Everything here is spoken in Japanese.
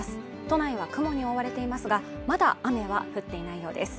都内は雲に覆われていますがまだ雨は降っていないようです